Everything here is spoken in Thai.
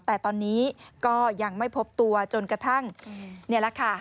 แต่ตอนนี้ก็ยังไม่พบตัวจนกระทั่งนี่แหละค่ะ